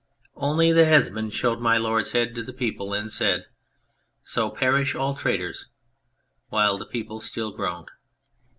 Only the Headsman showed My Lord's head to the people, 96 A Secret Letter and said, " So perish all traitors/' while the people still groaned.